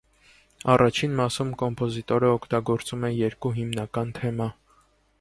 Առաջին մասում կոմպոզիտորը օգտագործում է երկու հիմնական թեմա։